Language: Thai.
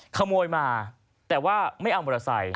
ขโมยมาแต่ว่าไม่เอามอเตอร์ไซค์